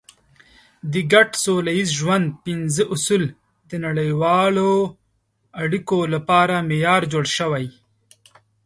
د ګډ سوله ییز ژوند پنځه اصول د نړیوالو اړیکو لپاره معیار جوړ شوی.